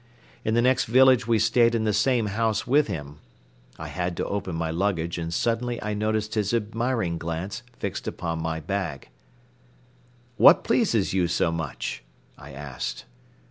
In the next village we stayed in the same house with him. I had to open my luggage and suddenly I noticed his admiring glance fixed upon my bag. "What pleases you so much?" I asked.